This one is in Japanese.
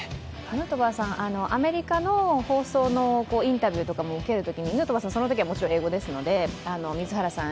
ヌートバーさん、アメリカの放送のインタビューを受けるとき、ヌートバーさん、そのときはもちろん英語ですので、水原さん